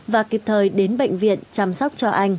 và kịp thời đến bệnh viện chăm sóc cho anh